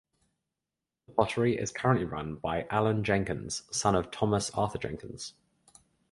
The pottery is currently run by Alun Jenkins, son of Thomas Arthur Jenkins.